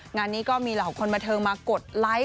งานนี้ก็มีเหล่าคนบันเทิงมากดไลค์